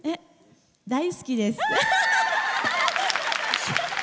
大好きです。